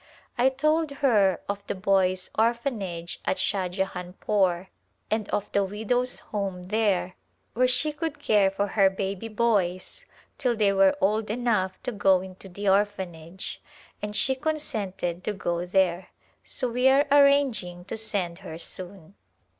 I told her of the Boys' Orphanage at Shah jahanpore and of the Widows' Home there where she could care for her baby boys till they were old enough to go into the Orphanage and she consented to go there, so we are arranging to send her soon.